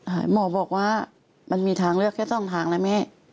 หมอบอกว่ามันมีทางเลือกแค่สองทางนะแม่